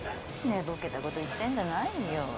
寝ボケたこと言ってんじゃないよ。